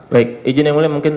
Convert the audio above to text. baik izin yang mulia mungkin